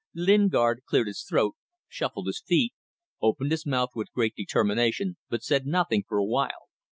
Lingard cleared his throat, shuffled his feet, opened his mouth with great determination, but said nothing for a while.